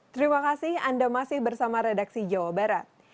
terima kasih anda masih bersama redaksi jawa barat